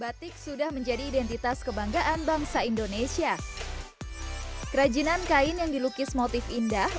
batik sudah menjadi identitas kebanggaan bangsa indonesia kerajinan kain yang dilukis motif indah